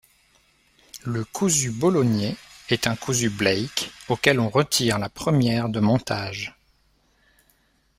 Le cousu bolognais est un cousu Blake auquel on retire la première de montage.